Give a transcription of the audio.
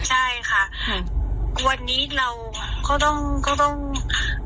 ใช่ค่ะวันนี้เราก็เสียใจแล้วก็ขอโทษแล้วนะคะ